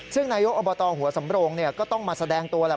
ซึ่งนายกอบตหัวสำโรงก็ต้องมาแสดงตัวแหละ